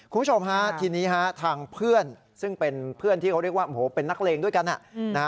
คุณผู้ชมฮะทีนี้ฮะทางเพื่อนซึ่งเป็นเพื่อนที่เขาเรียกว่าโอ้โหเป็นนักเลงด้วยกัน